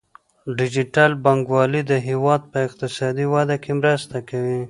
ډیجیټل بانکوالي د هیواد په اقتصادي وده کې مرسته کوي.